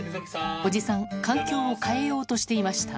おじさん、環境を変えようとしていました。